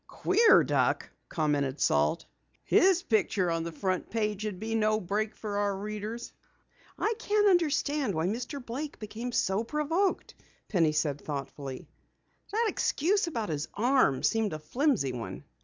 "Queer duck," commented Salt. "His picture on the front page would be no break for our readers!" "I can't understand why Mr. Blake became so provoked," Penny said thoughtfully. "That excuse about his arm seemed a flimsy one."